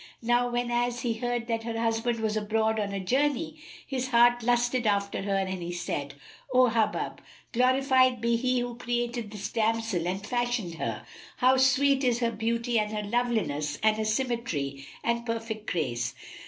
Now whenas he heard that her husband was abroad on a journey, his heart lusted after her and he said, "O Hubub, glorified be He who created this damsel and fashioned her! How sweet is her beauty and her loveliness and her symmetry and perfect grace!